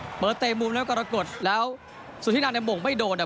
ได้คืนเมอร์เตย์มุมแล้วก็ระกดแล้วสุธินัทในหมงไม่โดนอ่ะ